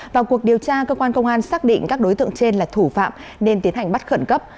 vào cuộc điều tra cơ quan công an xác định các đối tượng trên là thủ phạm nên tiến hành bắt khẩn cấp